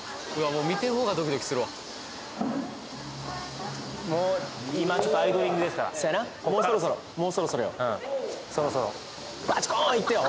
もう見てるほうがドキドキするわもう今ちょっとアイドリングですからそやなもうそろそろもうそろそろよそろそろバチコーンいってよ